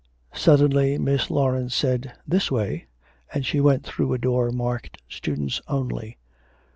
Suddenly Miss Laurence said 'This way,' and she went through a door marked 'Students only.'